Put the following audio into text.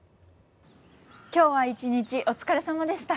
今日は一日お疲れさまでした。